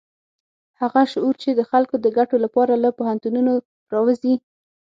هغه شعور چې د خلکو د ګټو لپاره له پوهنتونونو راوزي.